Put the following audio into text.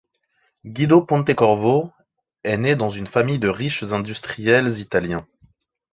Guido Pontecorvo, est est née dans une famille de riches industriels italiens.